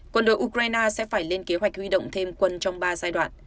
quân đội ukraine sẽ phải lên kế hoạch huy động thêm quân trong ba giai đoạn